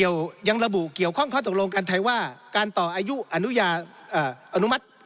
ยังระบุเกี่ยวข้องข้อตกลงกันไทยว่าการต่ออายุอนุญาอนุมัติ